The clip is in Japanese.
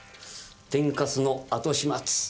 天かすの後始末。